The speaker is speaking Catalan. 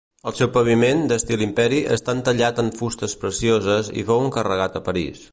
El seu paviment, d'estil imperi, està entallat en fustes precioses i fou encarregat a Paris.